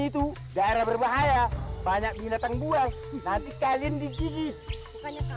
itu daerah berbahaya banyak binatang buah nanti kalian di sini kalian itu bukan pengasutan